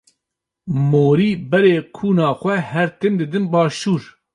Morî berê kuna xwe her tim didin başûr.